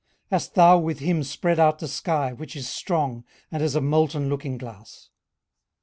18:037:018 Hast thou with him spread out the sky, which is strong, and as a molten looking glass?